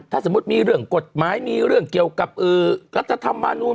ถ้าสมมุติมีเรื่องกฎหมายมีเรื่องเกี่ยวกับรัฐธรรมนูล